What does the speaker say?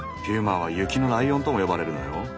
ピューマは雪のライオンとも呼ばれるのよ。